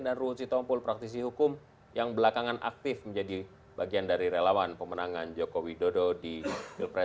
dan rulsi tompul praktisi hukum yang belakangan aktif menjadi bagian dari relawan pemenangan jokowi dodo di gilpres dua ribu sembilan belas